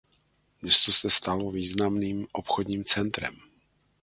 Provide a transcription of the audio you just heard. Město se stalo významným obchodním centrem.